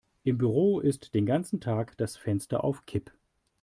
Im Büro ist den ganzen Tag das Fenster auf Kipp.